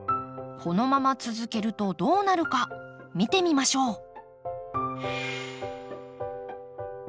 このまま続けるとどうなるか見てみましょう。